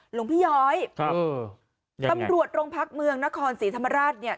หลวงพี่ย้อยครับตำรวจโรงพักเมืองนครศรีธรรมราชเนี่ย